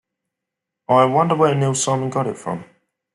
I wonder where Neil Simon got it from?